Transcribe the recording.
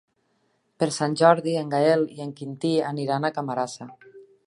Per Sant Jordi en Gaël i en Quintí aniran a Camarasa.